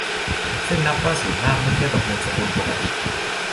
ซึ่งนับว่าสูงมากเมื่อเทียบกับเงินสกุลปกติ